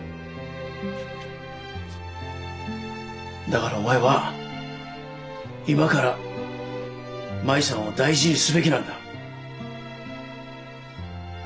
だからお前は今から麻衣さんを大事にすべきなんだ。